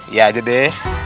iya aja deh